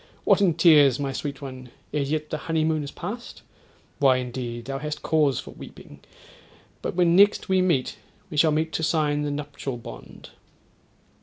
What in tears, my sweet one, ere yet the honeymoon is past? Why! indeed thou hast cause for weeping: but when next we meet we shall meet to sign the nuptial bond.'